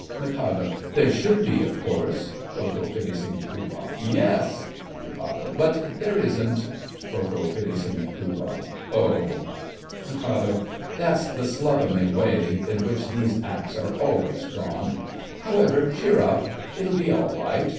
MIK. There should be, of course— KO., PITTI., and POOH. Yes! MIK. But there isn't. KO., PITTI., and POOH. Oh! MIK. That's the slovenly way in which these Acts are always drawn. However, cheer up, it'll be all right.